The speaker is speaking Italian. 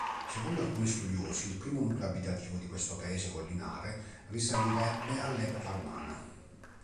Secondo alcuni studiosi, il primo nucleo abitativo di questo paese collinare risalirebbe all'epoca romana.